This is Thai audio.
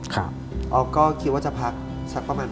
ออฟก็คิดว่าจะพักสักประมาณ